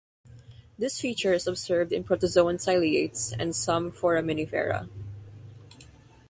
This feature is observed in protozoan ciliates and some foraminifera.